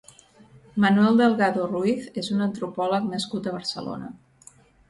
Manuel Delgado Ruiz és un antropòleg nascut a Barcelona.